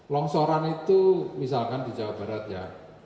longsoran itu misalkan di jawa barat ya